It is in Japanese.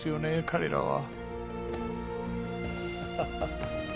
彼らは。